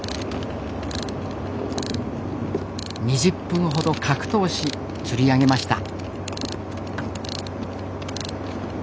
２０分ほど格闘し釣り上げました。